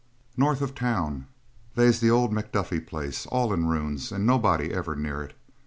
"North of town they's the old McDuffy place, all in ruins and nobody ever near it.